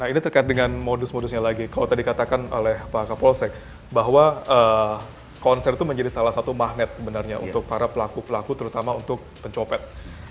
nah ini terkait dengan modus modusnya lagi kalau tadi katakan oleh pak kapolsek bahwa konser itu menjadi salah satu magnet sebenarnya untuk para pelaku pelaku terutama untuk pencopet